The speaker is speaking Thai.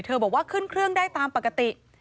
บอกว่าขึ้นเครื่องได้ตามปกติ